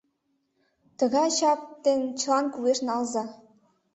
Тыгае чап дене чылан кугешналза!